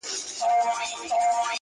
ستا وه ديدن ته هواداره يمه.